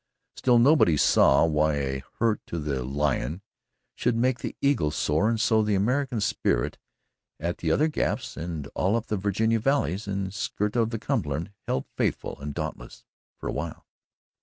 Still nobody saw why a hurt to the Lion should make the Eagle sore and so the American spirit at the other gaps and all up the Virginia valleys that skirt the Cumberland held faithful and dauntless for a while.